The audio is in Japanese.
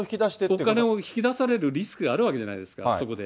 お金を引き出されるリスクがあるわけじゃないですか、そこで。